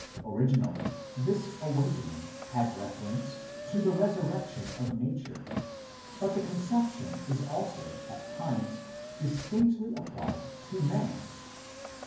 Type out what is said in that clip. Originally this "awakening" had reference to the "resurrection" of nature, but the conception is also at times distinctly applied to man.